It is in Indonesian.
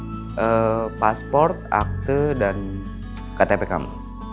untuk pasport akte dan ktp kamu